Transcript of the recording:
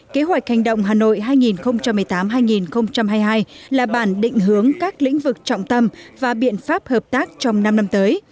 kế hoạch hành động hà nội hai nghìn một mươi tám hai nghìn hai mươi hai là bản định hướng các lĩnh vực trọng tâm và biện pháp hợp tác trong năm năm tới